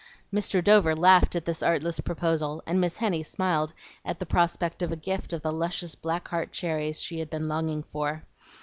Mr. Dover laughed at this artless proposal, and Miss Henny smiled at the prospect of a gift of the luscious black heart cherries she had been longing for.